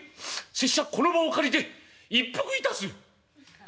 拙者この場を借りて一服いたす！」。